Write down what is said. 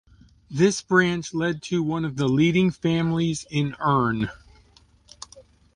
This branch led to one of the leading families in Urn.